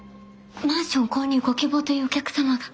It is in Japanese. マンション購入ご希望というお客様が。